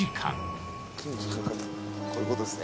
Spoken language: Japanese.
こういうことですね。